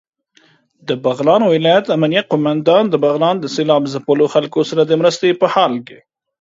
دبغلان ولايت امنيه قوماندان دبغلان د سېلاب ځپلو خلکو سره دمرستې په حال کې